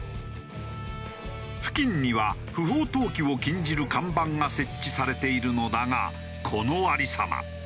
付近には不法投棄を禁じる看板が設置されているのだがこの有り様。